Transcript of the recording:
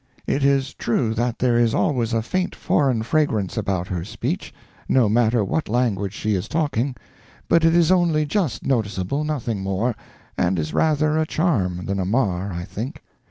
It is true that there is always a faint foreign fragrance about her speech, no matter what language she is talking, but it is only just noticeable, nothing more, and is rather a charm than a mar, I think.